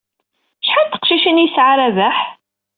Acḥal n teqcicin ay yesɛa Rabaḥ?